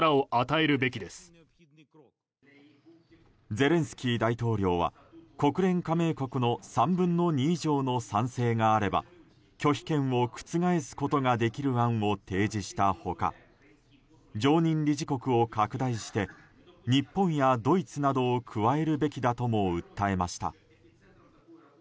ゼレンスキー大統領は国連加盟国の３分の２以上の賛成があれば拒否権を覆すことができる案を提示した他常任理事国を拡大して日本やドイツなどを加えるべきだとも訴えました。